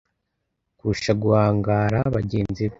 kurusha guhangara bagenzi be